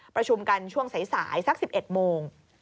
ประชุมกันช่วงสายสัก๑๑โมง